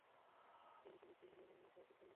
David Ricigliani নামের কাউকে চেনো?